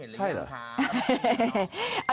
ใช่เหรอ